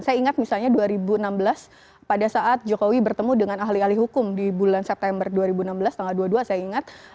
saya ingat misalnya dua ribu enam belas pada saat jokowi bertemu dengan ahli ahli hukum di bulan september dua ribu enam belas tanggal dua puluh dua saya ingat